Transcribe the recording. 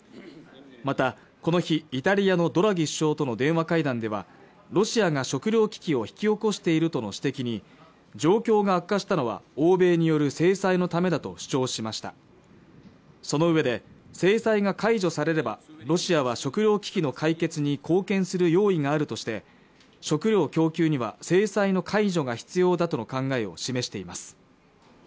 またこの日イタリアのドラギ首相との電話会談ではロシアが食糧危機を引き起こしているとの指摘に状況が悪化したのは欧米による制裁のためだと主張しましたそのうえで制裁が解除されればロシアは食糧危機の解決に貢献する用意があるとして食糧供給には制裁の解除が必要だとの考えを示しています